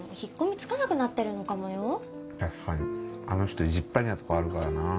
確かにあの人意地っ張りなとこあるからな。